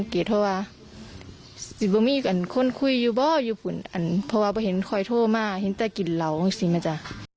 เขาบอกว่าโอ้โหไม่คิดเลยอ่ะ